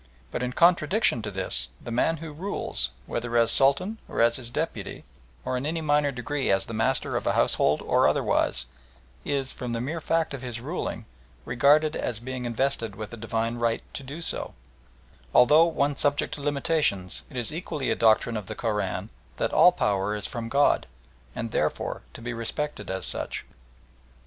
But in contradiction to this, the man who rules, whether as Sultan or as his deputy, or in any minor degree as the master of a household or otherwise, is, from the mere fact of his ruling, regarded as being invested with a Divine right to do so, since, although one subject to limitations, it is equally a doctrine of the Koran, that all power is from God, and therefore to be respected as such.